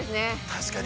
◆確かに。